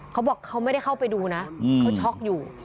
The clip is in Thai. เขาบอกเขาไม่ได้เข้าไปดูนะเขาช็อกอยู่